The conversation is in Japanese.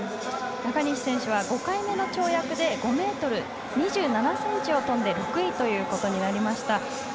中西選手は５回目の跳躍で５ｍ２７ｃｍを跳んで６位となりました。